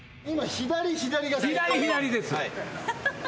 左左です。